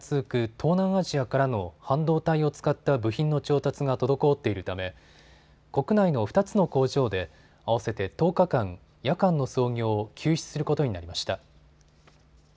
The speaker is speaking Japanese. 東南アジアからの半導体を使った部品の調達が滞っているため国内の２つの工場で合わせて１０日間、夜間の操業を休止することになりました。